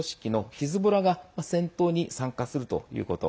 ヒズボラが戦闘に参加するということ。